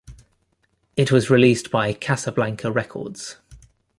It was released by Casablanca Records.